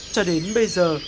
cho đến bây giờ